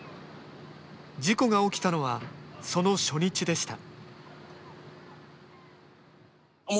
事故が起きたのはその初日でした。